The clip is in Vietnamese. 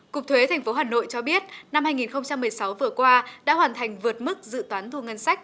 cục thuế tp hà nội cho biết năm hai nghìn một mươi sáu vừa qua đã hoàn thành vượt mức dự toán thu ngân sách